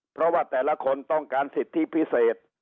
เพราะว่าแต่ละคนต้องการสิทธิพิเศษ